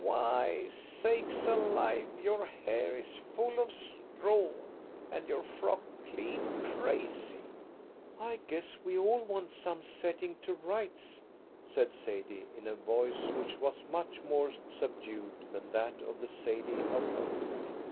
Why, sakes alive, your hair is full of straw and your frock clean crazy!" "I guess we all want some setting to rights," said Sadie, in a voice which was much more subdued than that of the Sadie of old.